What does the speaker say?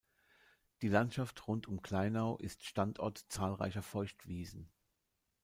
Die Landschaft rund um Kleinau ist Standort zahlreicher Feuchtwiesen.